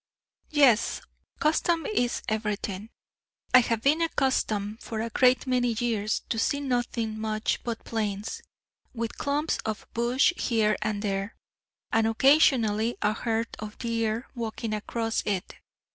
"Yes, custom is everything. I have been accustomed for a great many years to see nothing much but plains, with clumps of bush here and there, and occasionally a herd of deer walking across it.